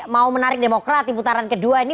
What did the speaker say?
mau menarik demokrati putaran kedua ini